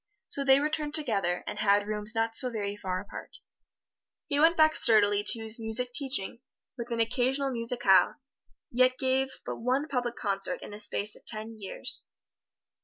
So they returned together, and had rooms not so very far apart. He went back sturdily to his music teaching, with an occasional musicale, yet gave but one public concert in the space of ten years.